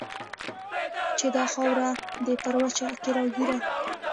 چې دا خاوره ده پر وچه کې راګېره